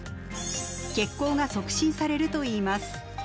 血行が促進されるといいます。